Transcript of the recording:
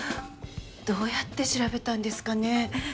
どうやって調べたんですかね。